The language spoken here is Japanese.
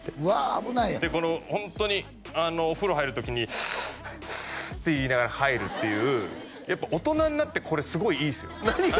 危ないやんでこのホントにお風呂入る時に「シーッシーッ」って言いながら入るっていうやっぱ大人になってこれすごいいいですよ